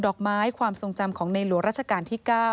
อกไม้ความทรงจำของในหลวงราชการที่๙